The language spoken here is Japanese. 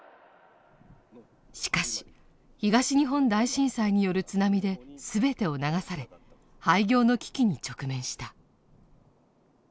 しかし東日本大震災による津波で全てを流され廃業の危機に直面した。